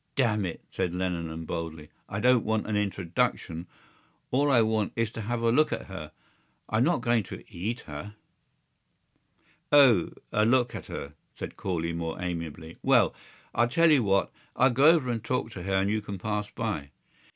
"Damn it!" said Lenehan boldly, "I don't want an introduction. All I want is to have a look at her. I'm not going to eat her." "O.... A look at her?" said Corley, more amiably. "Well ... I'll tell you what. I'll go over and talk to her and you can pass by."